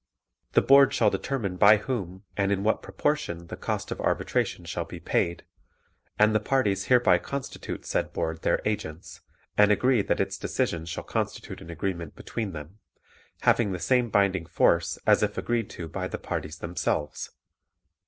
The Board shall determine by whom and in what proportion the cost of arbitration shall be paid, and the parties hereby constitute said Board their agents and agree that its decision shall constitute an agreement between them, having the same binding force as if agreed to by the parties themselves.